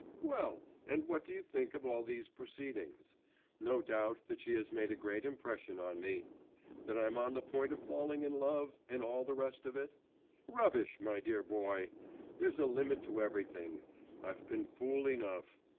Well, and what do you think of all these proceedings? No doubt, that she has made a great impression on me, that I'm on the point of falling in love, and all the rest of it? Rubbish, my dear boy! There's a limit to everything. I've been fool enough.